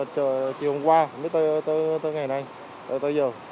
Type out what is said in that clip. chờ chiều hôm qua mới tới ngày nay tới giờ